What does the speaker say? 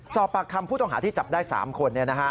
สอบปากคำผู้ต้องหาที่จับได้๓คน